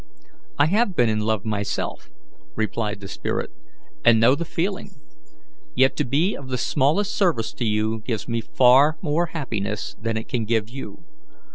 "I have been in love myself," replied the spirit, "and know the feeling; yet to be of the smallest service to you gives me far more happiness than it can give you.